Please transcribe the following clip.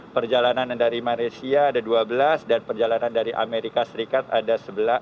perjalanan dari malaysia ada dua belas dan perjalanan dari amerika serikat ada sebelas